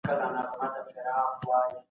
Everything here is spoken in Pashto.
بله سره غوټۍ ښکاریږي